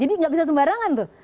jadi gak bisa sembarangan tuh